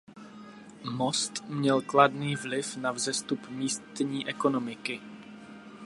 Most měl kladný vliv na vzestup místní ekonomiky.